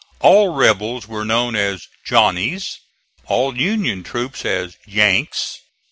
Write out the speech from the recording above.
All rebels were known as "Johnnies," all Union troops as "Yanks."